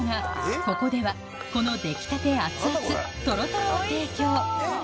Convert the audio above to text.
ここではこの出来たて熱々とろとろを提供